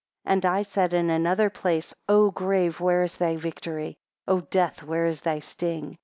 11 And I said in another place, O grave, where is thy victory? O death, where is thy sting?